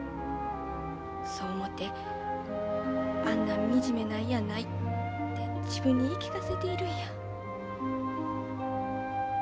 そう思うてあんなん惨めなんやないって自分に言い聞かせているんや。